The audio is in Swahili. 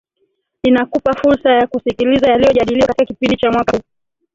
inakupa fursa ya kusikiliza yaliojadiliwa katika kipindi cha mwaka huu